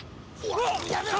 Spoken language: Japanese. やめろ！